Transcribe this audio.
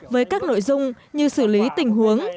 với các nội dung như xử lý tình huống